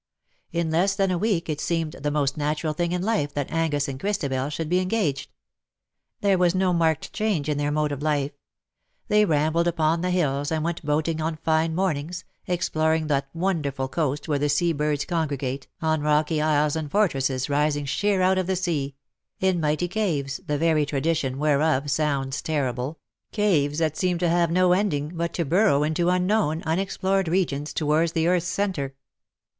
In less than a week it seemed the most natural thing in life that Angus and Christabel should be engaged. There was no marked change in their mode of life. They rambled upon the hills, and w^ent boating on fine mornings, exploring that wonderful coast Avhere the sea birds congregate, on rocky isles and fortresses rising sheer out of the sea — in mighty caves, the very tradition whereof sounds terrible — caves that seem to have no ending, but to burrow into unknown, unexplored regions, towards the earth^s centre.